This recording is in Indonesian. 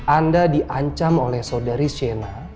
anda diancam oleh saudari shena